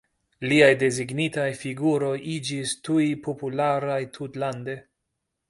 Liaj desegnitaj figuroj iĝis tuj popularaj tutlande.